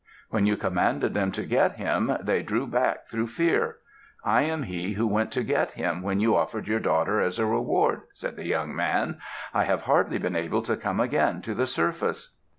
When you commanded them to get him, they drew back through fear. I am he who went to get him when you offered your daughter as a reward," said the young man. "I have hardly been able to come again to the surface."